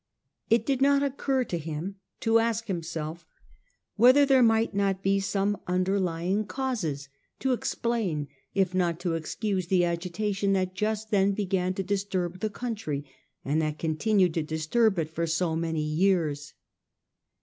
It did not occur to him to ask himself whether there might not be some underlying causes 106 A HISTOEY OF OUE OWN TIMES. OH. f. to explain if not to excuse the agitation that just then began to disturb the country, and that continued to disturb it for so many years.